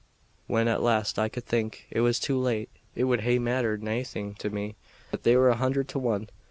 When at last I could think, it was too late. It wad hae mattered naething to me that they were a hundred to one.